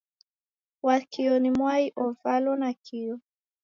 Wakio ni mwai uvalo nakio.